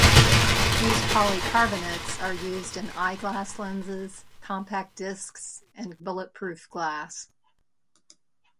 These polycarbonates are used in eyeglass lenses, compact discs, and bulletproof glass.